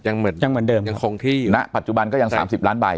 เหมือนยังเหมือนเดิมยังคงที่อยู่ณปัจจุบันก็ยัง๓๐ล้านใบ